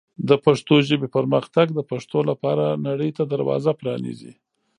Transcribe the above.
د پښتو ژبې پرمختګ د پښتو لپاره نړۍ ته دروازه پرانیزي.